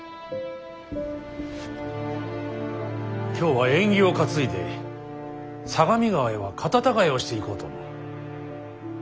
今日は縁起を担いで相模川へは方違えをしていこうと思う。